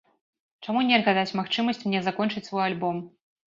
Чаму нельга даць магчымасць мне закончыць свой альбом?